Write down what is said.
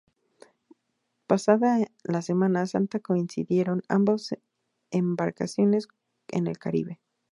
Pasada la semana santa coincidieron ambas embarcaciones en el Caribe.